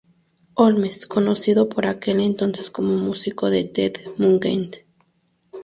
Holmes, conocido por aquel entonces como músico de Ted Nugent.